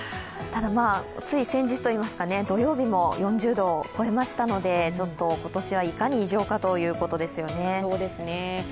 ただつい先日といいますか土曜日も４０度を超えましたので今年はいかに異常かということですよね。